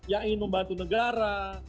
yang ingin membantu negara